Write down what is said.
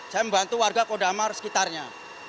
saya membantu warga kodamar sekitarnya